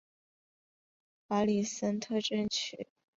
瓦利森特镇区为美国堪萨斯州塞奇威克县辖下的镇区。